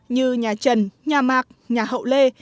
như nhà trần nhà mạc nhà hậu lê